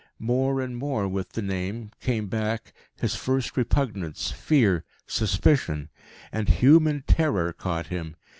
More and more, with the name, came back his first repugnance, fear, suspicion. And human terror caught him.